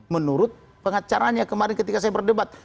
menurut pengacaranya kemarin ketika saya berdebat